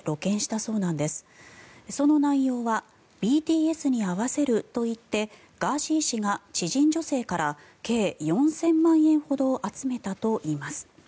その内容はＢＴＳに会わせると言ってガーシー氏が知人女性から計４０００万円ほどを集めたといいます。